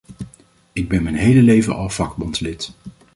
Ik ben mijn hele leven al vakbondslid.